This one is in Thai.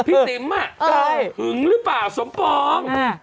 ติ๋มหึงหรือเปล่าสมปอง